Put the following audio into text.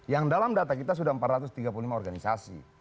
yang dalam data kita sudah empat ratus tiga puluh lima organisasi